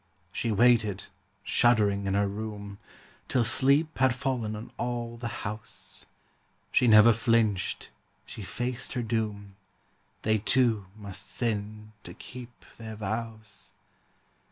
She waited, shuddering in her room, Till sleep had fallen on all the house. She never flinched; she faced her doom: They two must sin to keep their vows.